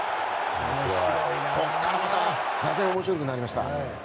ここから俄然面白くなりました。